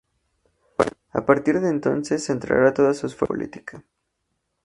A partir de entonces, centrará todas sus fuerzas en la política.